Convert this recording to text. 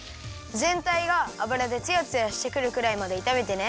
ぜんたいがあぶらでツヤツヤしてくるくらいまでいためてね。